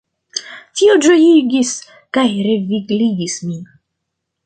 Tio ĝojigis kaj revigligis min!